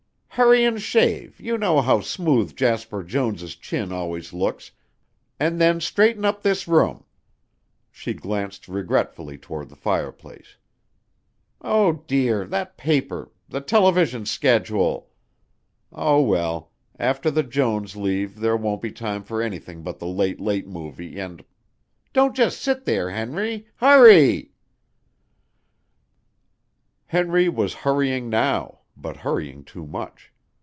"Hurry and shave, you know how smooth Jasper Jones' chin always looks, and then straighten up this room." She glanced regretfully toward the fireplace. "Oh dear, that paper, the television schedule ... oh well, after the Jones leave there won't be time for anything but the late late movie and.... Don't just sit there, Henry, hurrreeee!" Henry was hurrying now, but hurrying too much.